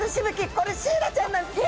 これシイラちゃんなんですね！